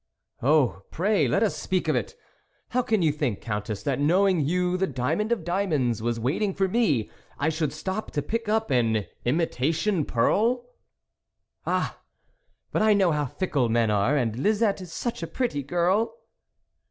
" Oh, pray, let us speak of it ! how can you think, Countess, that knowing you, the diamond of diamonds, was waiting for me, I should stop to pick up an imita tion pearl ?"" Ah ! but I know how fickle men are, and Lisette is such a pretty girl